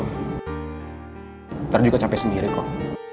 ntar juga capek sendiri kok